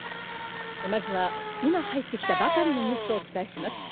まずは今入ってきたばかりのニュースをお伝えします。